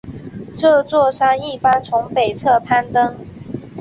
这座山一般从北侧攀登。